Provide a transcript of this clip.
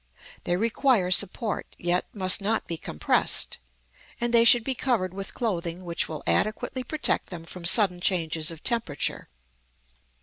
They require support, yet must not be compressed. And they should be covered with clothing which will adequately protect them from sudden changes of temperature.